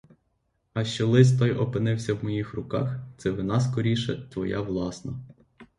А що лист той опинився в моїх руках, це вина скоріше твоя власна.